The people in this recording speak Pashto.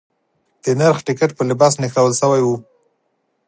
د نرخ ټکټ په لباس نښلول شوی و.